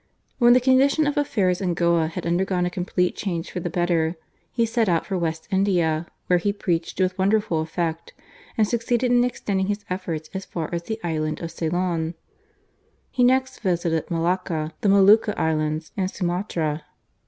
When the condition of affairs in Goa had undergone a complete change for the better, he set out for West India, where he preached with wonderful effect, and succeeded in extending his efforts as far as the Island of Ceylon. He next visited Malacca, the Molucca Islands and Sumatra.